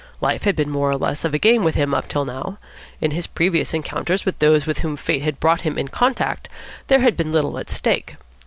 Life had been more or less of a game with him up till now. In his previous encounters with those with whom fate had brought him in contact there had been little at stake.